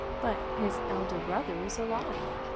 "But his elder brother is alive."